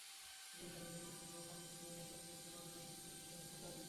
Police জানায়, গতকাল শুক্রবার পঞ্চম দিনের মতো পোরকরা গ্রামে পুলিশ মোতায়েন ছিল।